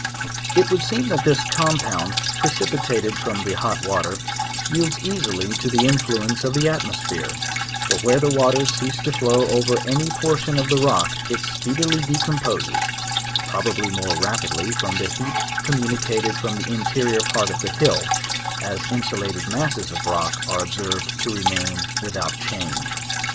It would seem that this compound, precipitated from the hot water, yields easily to the influence of the atmosphere; for where the waters cease to flow over any portion of the rock, it speedily decomposes; probably more rapidly from the heat communicated from the interrior part of the hill, as insu lated masses of the rock are observed to remain without change.